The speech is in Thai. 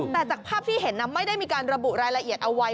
แต่จากภาพที่เห็นไม่ได้มีการระบุรายละเอียดเอาไว้